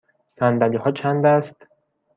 صندلی ها چند است؟